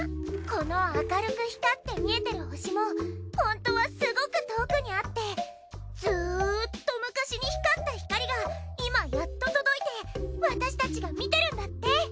この明るく光って見えてる星も本当はすごく遠くにあってずっと昔に光った光が今やっと届いて私たちが見てるんだって。